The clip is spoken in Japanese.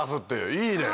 いいね！